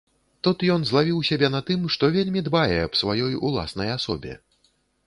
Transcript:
Тут ён злавіў сябе на тым, што вельмі дбае аб сваёй уласнай асобе.